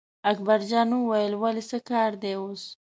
اکبرجان وویل ولې څه کار دی اوس.